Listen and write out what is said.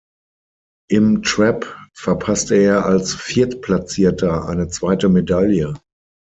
Im Trap verpasste er als Viertplatzierter eine zweite Medaille.